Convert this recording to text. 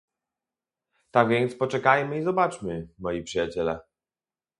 Tak więc poczekajmy i zobaczmy, moi przyjaciele